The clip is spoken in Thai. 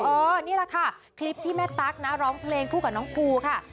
นี่แหละค่ะคลิปที่แม่ตั๊กนะร้องเพลงคู่กับน้องปูค่ะ